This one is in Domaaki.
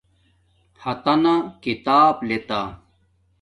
ہاتنا کتاب لتا